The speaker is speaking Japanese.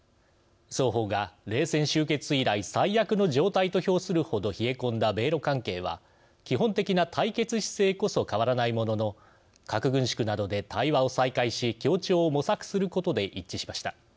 双方が冷戦終結以来最悪の状態と評するほど冷え込んだ米ロ関係は基本的な対決姿勢こそ変わらないものの核軍縮などで対話を再開し協調を模索することで一致しました。